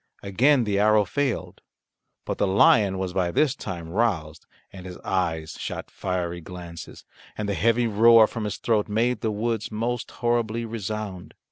Again the arrow failed. But the lion was by this time roused, and his eyes shot fiery glances, and the heavy roar from his throat made the woods most horribly resound.